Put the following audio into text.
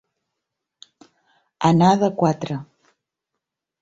Anar de quatre.